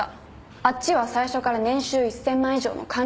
あっちは最初から年収１０００万以上の管理職候補。